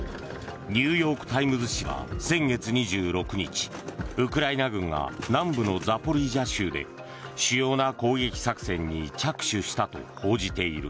ニューヨーク・タイムズ紙は先月２６日ウクライナ軍が南部のザポリージャ州で主要な攻撃作戦に着手したと報じている。